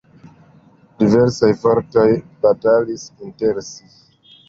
Diversaj fortoj batalis inter si.